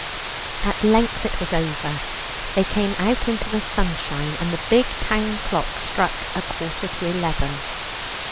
At length it was over; they came out into the sunshine, and the big town clock struck a quarter to eleven.